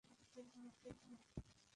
ঠিক তোমার বাবার কাছে আমি আসি নি।